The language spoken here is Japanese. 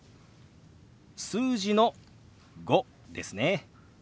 数字の「５」ですね。